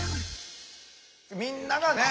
みんながね。